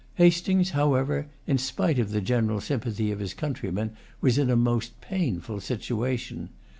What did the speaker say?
Hastings, however, in spite of the general sympathy of his countrymen, was in a most painful situation.